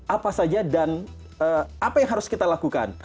apa saja dan apa yang harus kita lakukan